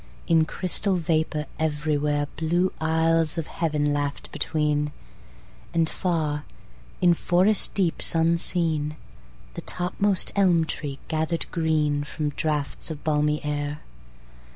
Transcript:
In crystal vapor everywhere Blue isles of heaven laugh'd between, And far, in forest deeps unseen, The topmost elm tree gather'd green From draughts of balmy air.